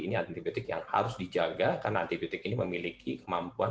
ini antibitik yang harus dijaga karena antibitik ini memiliki kemampuan